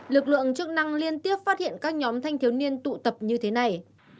lực lượng chức năng liên tiếp phát hiện các nhóm thanh thiếu niên tụ tập như thế này